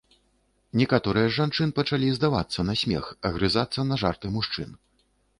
Некаторыя з жанчын пачалі здавацца на смех, агрызацца на жарты мужчын.